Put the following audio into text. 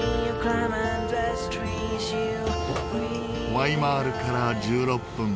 ワイマールから１６分